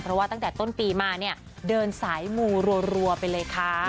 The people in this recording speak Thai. เพราะว่าตั้งแต่ต้นปีมาเนี่ยเดินสายมูรัวไปเลยค่ะ